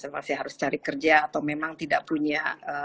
masih harus cari kerja atau memang tidak punya